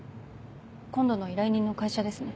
今度の依頼人の会社ですね。